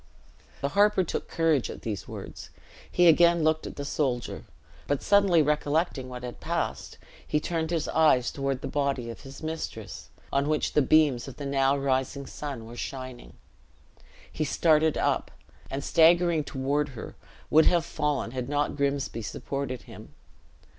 The harper took courage at these words; he again looked at the soldier; but suddenly recollecting what had passed, he turned his eyes toward the body of his mistress, on which the beams of the now rising sun were shining. He started up, and staggering toward her, would have fallen, had not Grimsby supported him.